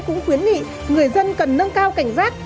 cũng khuyến nghị người dân cần nâng cao cảnh giác